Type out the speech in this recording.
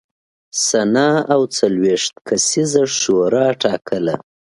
سنا او څلوېښت کسیزه شورا ټاکله